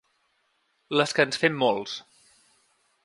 Les que ens fem molts.